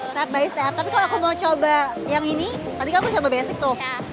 step by step tapi kalau aku mau coba yang ini tadi kamu coba basic tuh